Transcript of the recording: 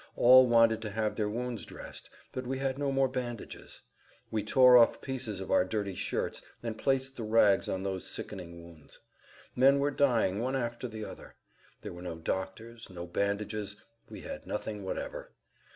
All wanted to have their wounds dressed, but we had no more bandages. We tore off pieces of our dirty shirts and placed the rags on those sickening wounds. Men were dying one after the other. There were no doctors, no bandages; we had nothing whatever.